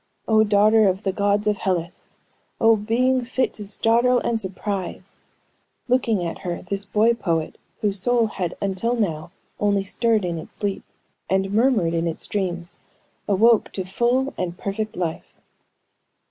Oh, daughter of the gods of Hellas! Oh, "being fit to startle and surprise," looking at her, this boy poet, whose soul had until now only stirred in its sleep, and murmured in its dreams, awoke to full and perfect life.